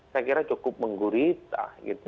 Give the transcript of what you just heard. saya kira cukup menggurita